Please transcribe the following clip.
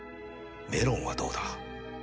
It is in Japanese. メロンはどうだ？